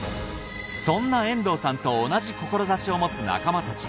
そんな遠藤さんと同じ志を持つ仲間たち。